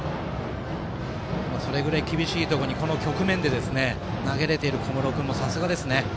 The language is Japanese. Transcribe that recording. それぐらい厳しいところにこの局面で投げれている小室君もさすがですね。